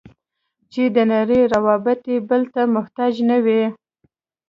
چې د نړۍ روابط یې بل ته محتاج نه وي.